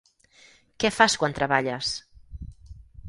Què fas quan treballes?